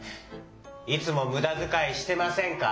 いつもむだづかいしてませんか？